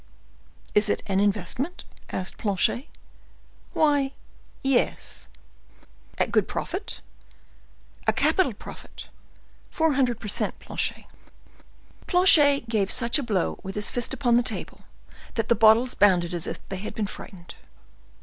"Is it an investment?" asked Planchet. "Why, yes." "At good profit?" "A capital profit,—four hundred per cent, Planchet." Planchet gave such a blow with his fist upon the table, that the bottles bounded as if they had been frightened.